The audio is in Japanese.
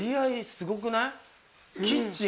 すごくない？